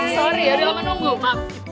sorry udah lama nunggu maaf